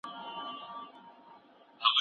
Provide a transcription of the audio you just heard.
دولت به په کانونو کي پانګونه وکړي.